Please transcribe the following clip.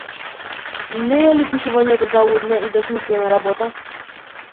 Не е ли пишувањето залудна и бесмислена работа?